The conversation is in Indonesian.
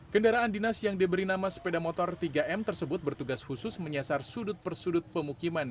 kendaraan dinas yang diberi nama sepeda motor tiga m tersebut bertugas khusus menyasar sudut persudut pemukiman